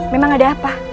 memang ada apa